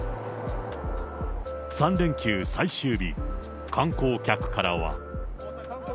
３連休最終日、観光客からは。